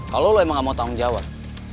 kalo lu emang ga mau tanggung jawab